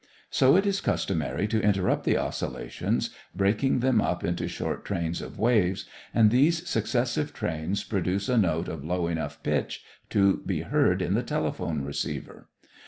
So it is customary to interrupt the oscillations, breaking them up into short trains of waves, and these successive trains produce a note of low enough pitch to be heard in the telephone receiver.